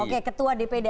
oke ketua dpd